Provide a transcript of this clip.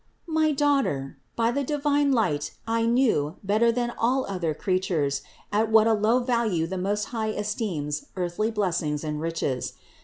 581. My daughter, by the divine light I knew, better than all other creatures, at what a low value the Most High esteems earthly blessings and riches.